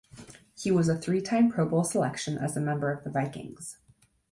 He was a three-time Pro Bowl selection as a member of the Vikings.